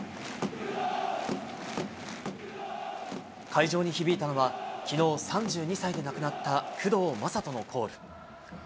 会場に響いたのは、きのう３２歳で亡くなったくどうまさとのこーる。